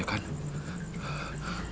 aku bisa menemukanmu